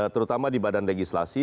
terutama di badan legislasi